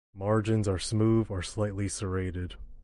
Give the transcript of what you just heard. Margins are smooth or slightly serrated.